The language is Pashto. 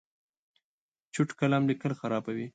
چوټ قلم لیکل خرابوي.